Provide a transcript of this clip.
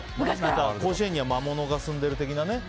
甲子園には魔物がすんでる的なね